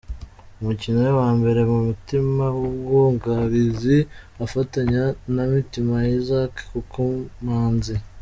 umukino we wa mbere mu mutima w’ubwugarizi afatanya na Mitima Isaac kuko Manzi